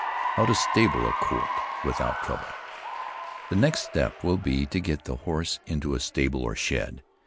HOW TO STABLE A COLT WITHOUT TROUBLE. The next step will be, to get the horse into a stable or shed.